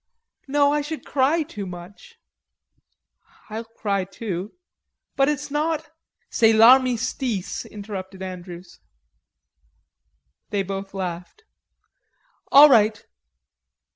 "No, I should cry too much." "I'll cry too." "But it's not..." "Cest l'armistice," interrupted Andrews. They both laughed! "All right!